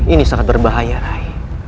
ini sangat berbahaya rai